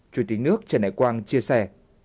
chủ tịch nước trần đại quang chia sẻ